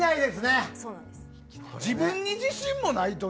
自分に自信もないと